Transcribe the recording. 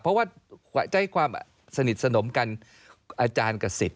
เพราะว่าใจความสนิทสนมกันอาจารย์กับสิทธ